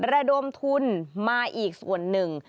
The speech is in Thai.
ระดมทุนมาอีกส่วนหนึ่ง